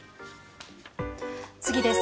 次です。